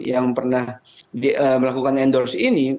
yang pernah melakukan endorse ini